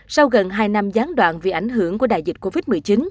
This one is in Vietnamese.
sau gần hai năm gián đoạn vì ảnh hưởng của đại dịch covid một mươi chín